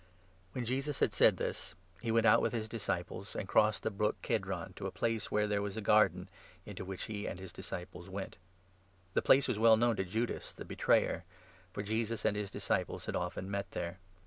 When Jesus had said this, he went out with his jo«ua in disciples and crossed the brook Kedron to a place Qethvemano. ,,.,.,,• where there was a garden, into which he and his disciples went. The place was well known to Judas, the betrayer, for Jesus and his disciples had often met there.